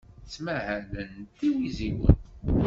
Ttmahalen d iwiziwen.